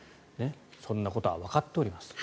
そんなことはわかっておりますと。